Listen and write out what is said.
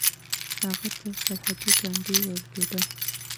هغه ته سرحدي ګاندي ویل کیده.